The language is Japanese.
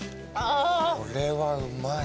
これはうまい。